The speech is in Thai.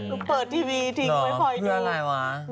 หนูเปิดทีวีทิ้งไว้คอยดู